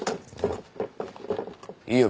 いいよ